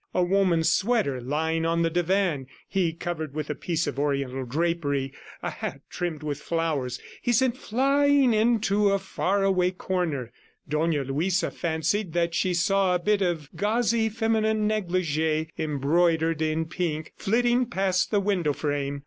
A woman's sweater lying on the divan, he covered with a piece of Oriental drapery a hat trimmed with flowers, he sent flying into a far away corner. Dona Luisa fancied that she saw a bit of gauzy feminine negligee embroidered in pink, flitting past the window frame.